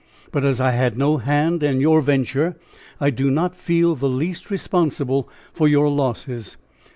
But as I had no hand in your venture, I do not feel the least responsible for your losses.